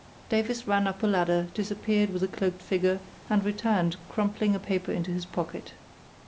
Davies ran up a ladder, disappeared with the cloaked figure, and returned crumpling a paper into his pocket.